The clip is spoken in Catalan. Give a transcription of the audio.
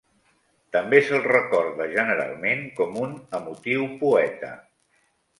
També se'l recorda generalment com un emotiu poeta.